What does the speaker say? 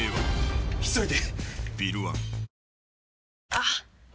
あっ！